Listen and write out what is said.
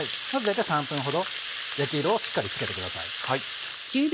大体３分ほど焼き色をしっかりつけてください。